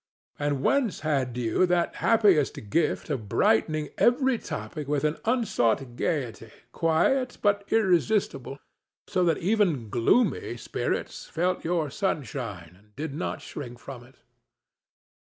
And whence had you that happiest gift of brightening every topic with an unsought gayety, quiet but irresistible, so that even gloomy spirits felt your sunshine and did not shrink from it?